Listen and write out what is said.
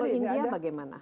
kalau india bagaimana